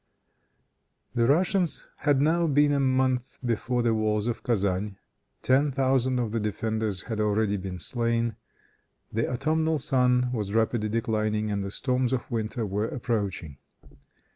The Russians had now been a month before the walls of Kezan. Ten thousand of the defenders had already been slain. The autumnal sun was rapidly declining, and the storms of winter were approaching.